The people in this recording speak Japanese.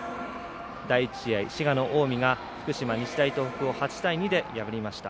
第１試合、滋賀の近江が福島、日大東北を８対２で破りました。